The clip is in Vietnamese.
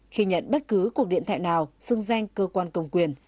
khi nhận bất cứ cuộc điện thại nào xưng danh cơ quan cầm quyền